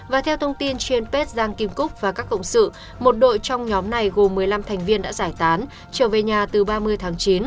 và theo thông tin trên page giang kim cúc và các cộng sự một đội trong nhóm này gồm một mươi năm thành viên đã giải tán trở về nhà từ ba mươi tháng chín